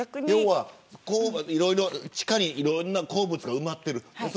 地下に、いろいろな鉱物が埋まっている。